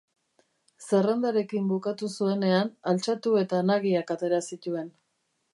Zerrendarekin bukatu zuenean altxatu eta nagiak atera zituen.